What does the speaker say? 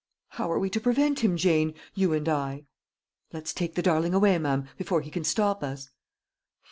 "How are we to prevent him, Jane you and I?" "Let's take the darling away, ma'am, before he can stop us."